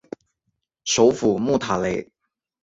首府穆塔雷。